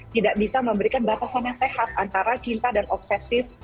tidak bisa memberikan batasan yang sehat antara cinta dan obsesif